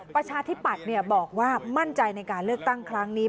ประชาธิปัตย์บอกว่ามั่นใจในการเลือกตั้งครั้งนี้